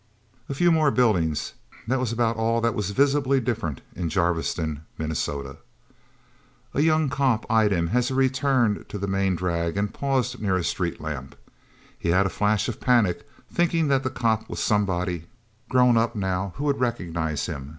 A few more buildings that was about all that was visibly different in Jarviston, Minnesota. A young cop eyed him as he returned to the main drag and paused near a street lamp. He had a flash of panic, thinking that the cop was somebody, grown up, now, who would recognize him.